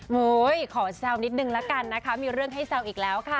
ขอแซวนิดนึงละกันนะคะมีเรื่องให้แซวอีกแล้วค่ะ